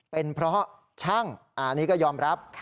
เป็นเพราะช่างอันนี้ก็ยอมรับ